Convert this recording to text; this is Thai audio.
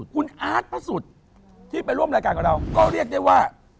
คุณอาร์ตพระสุทธิ์ที่ไปร่วมรายการกับเราก็เรียกได้ว่า